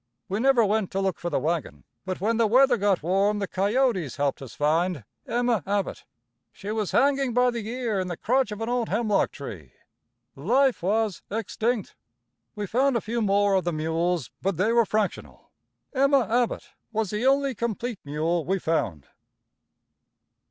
We never went to look for the wagon; but when the weather got warm, the Coyotes helped us find Emma Abbott. "She was hanging by the ear in the crotch of an old hemlock tree. "Life was extinct. "We found a few more of the mules, but they were fractional. "Emma Abbott was the only complete mule we found."